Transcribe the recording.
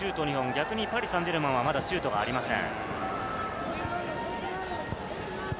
逆にパリ・サンジェルマンはまだシュートがありません。